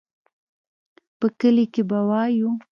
په کلي کښې به ووايو.